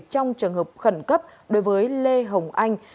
trong trường hợp khẩn cấp đối với lê hồng anh